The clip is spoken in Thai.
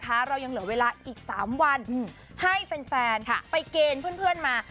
เรายังเหลือเวลาอีก๓วันให้แฟนไปเกณฑ์เพื่อนมา